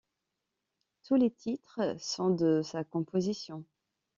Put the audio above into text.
Tous les titres sont de sa composition.